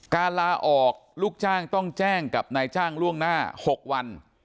ลาออกลูกจ้างต้องแจ้งกับนายจ้างล่วงหน้า๖วัน